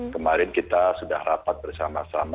kemarin kita sudah rapat bersama sama